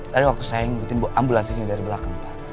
tadi waktu saya ngikutin ambulans ini dari belakang pak